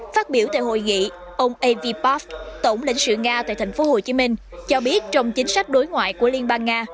phát biểu tại hội nghị ông evipov tổng lãnh sự nga tại thành phố hồ chí minh cho biết trong chính sách đối ngoại của liên bang nga